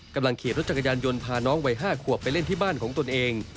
กำลังขี่รถจักรยานยนต์พาน้องวัย๕ขวบไปเล่นที่บ้านของตนเอง